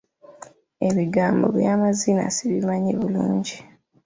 Ebigambo by'amazina sibimanyi bulungi.